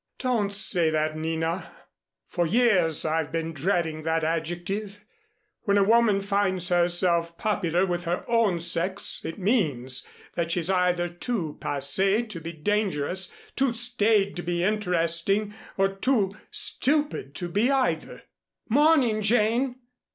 "Don't say that, Nina. For years I've been dreading that adjective. When a woman finds herself popular with her own sex it means that she's either too passée to be dangerous, too staid to be interesting, or too stupid to be either. Morning, Jane!